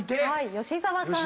吉沢さん